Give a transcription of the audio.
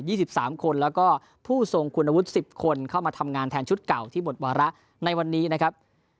สิบสามคนแล้วก็ผู้ทรงคุณวุฒิสิบคนเข้ามาทำงานแทนชุดเก่าที่หมดวาระในวันนี้นะครับ